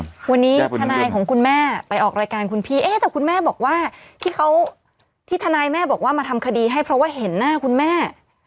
วันนี้ทนายของคุณแม่ไปออกรายการคุณพี่เอ๊ะแต่คุณแม่บอกว่าที่เขาที่ทนายแม่บอกว่ามาทำคดีให้เพราะว่าเห็นหน้าคุณแม่